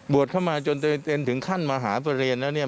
เข้ามาจนถึงขั้นมหาประเรียนแล้วเนี่ย